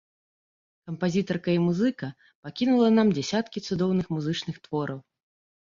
Кампазітарка і музыка пакінула нам дзясяткі цудоўных музычных твораў.